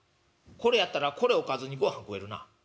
これやったらこれおかずにごはん食えるな。